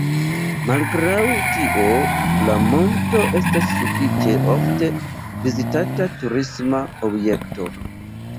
Malgraŭ tio la monto estas sufiĉe ofte vizitata turisma objekto.